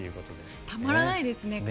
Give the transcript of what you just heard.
たまらないですね